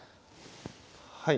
はい。